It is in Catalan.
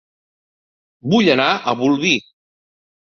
Vull anar a Bolvir